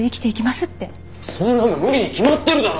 そんなの無理に決まってるだろ！